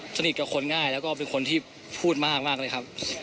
สนิทกับคนง่ายแล้วก็เป็นคนที่พูดมากเลยครับ